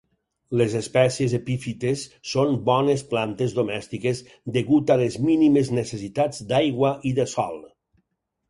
Les espècies epífites son bones plantes domèstiques degut a les mínimes necessitats d'aigua i de sòl.